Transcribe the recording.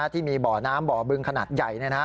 ที่มีบ่อน้ำบ่อบึงขนาดใหญ่